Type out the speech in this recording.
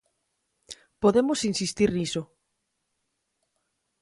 Podemos insistir niso.